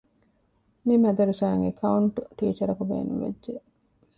މި މަދަރަސާއަށް އެކައުންޓް ޓީޗަރަކު ބޭނުން ވެއްޖެ